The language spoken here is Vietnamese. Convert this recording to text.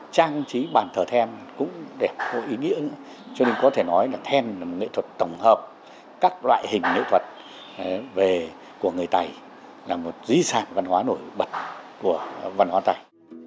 trang trí bàn thờ then cũng đẹp có ý nghĩa nữa cho nên có thể nói là then là một nghệ thuật tổng hợp các loại hình nghệ thuật của người tày là một di sản văn hóa nổi bật của văn hóa tày